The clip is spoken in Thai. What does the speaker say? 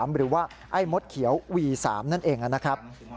หรือว่าไอ้มดเขียววี๓นั่นเองนะครับ